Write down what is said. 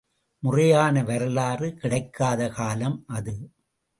முறையான வரலாறு கிடைக்காத காலம் அது.